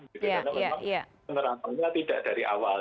karena memang penerapannya tidak dari awal